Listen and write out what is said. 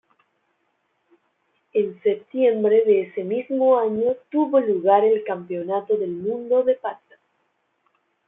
En septiembre de ese mismo año tuvo lugar el Campeonato del Mundo de Patras.